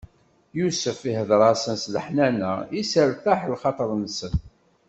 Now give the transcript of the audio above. Yusef ihdeṛ-asen s leḥnana, isseṛtaḥ lxaṭer-nsen.